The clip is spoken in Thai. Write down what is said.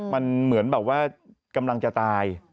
มันเหมือนแบบว่ากำลังจะตาย